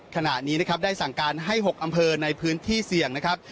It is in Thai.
ขณะนี้นะครับได้สั่งการให้๖อำเภอในพื้นที่เสี่ยงนะครับ